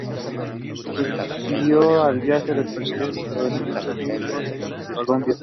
Siguió el viaje del presidente estadounidense Bill Clinton a Colombia.